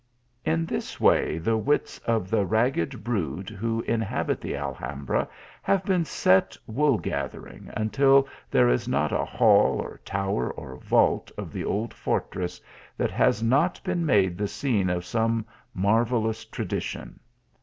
Ixi this way the wits of the ragged brood who inhabit THE MOOES LEGACY. 159 the Alhambra have been set wool gathering, until there is not a hall, or tower, or vault, of the old fortress that has not been made the scene of some marvellous tra dition.